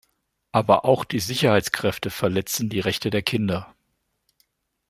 Aber auch die Sicherheitskräfte verletzen die Rechte der Kinder.